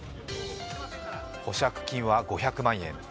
保釈金は５００万円。